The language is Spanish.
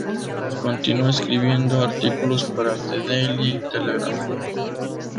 Continuó escribiendo artículos para "The Daily Telegraph".